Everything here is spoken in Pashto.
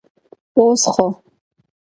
اوس خو.